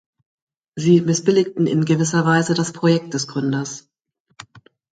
Sie missbilligten in gewisser Weise das Projekt des Gründers.